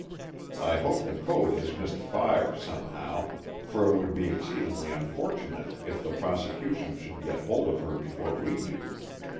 I hope the code has missed fire, somehow, for it would be exceedingly unfortunate if the prosecution should get hold of her before we do.